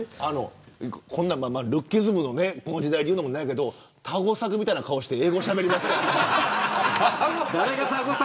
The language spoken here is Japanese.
こんなルッキズムの時代に言うのもなんやけどたごさくみたいな顔して英語しゃべりますね。